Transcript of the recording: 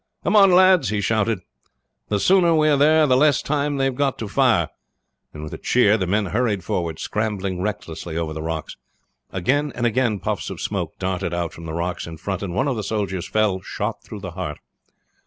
"Come on, lads!" he shouted, "the sooner we are there the less time they have got to fire;" and with a cheer the men hurried forward, scrambling recklessly over the rocks. Again and again puffs of smoke darted out from the rocks in front; and one of the soldiers fell, shot through the heart.